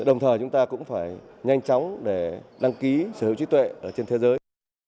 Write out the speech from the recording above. đồng thời chúng ta cũng phải nhanh chóng để đăng ký sở hữu trí tuệ ở trên thế giới